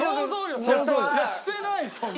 してないそんな。